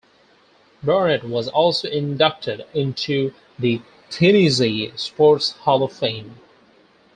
Barnett was also inducted into the Tennessee Sports Hall of Fame.